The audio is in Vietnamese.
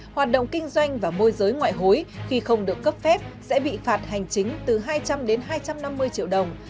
hoạt động kinh doanh và môi giới ngoại hối khi không được cấp phép sẽ bị phạt hành chính từ hai trăm linh đến hai trăm năm mươi triệu đồng